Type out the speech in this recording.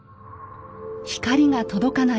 光が届かない